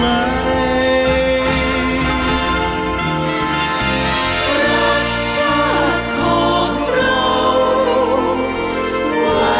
รักชาติของเรา